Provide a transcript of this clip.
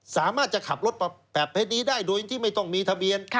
สามารถจะขับรถแบบเพชรนี้ได้โดยที่ไม่ต้องมีทะเบียน